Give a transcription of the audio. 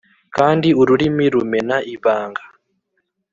kandi ururimi rumena ibanga